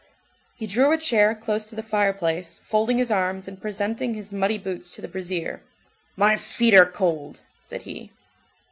He drew a chair close to the fireplace, folding his arms, and presenting his muddy boots to the brazier. "My feet are cold!" said he.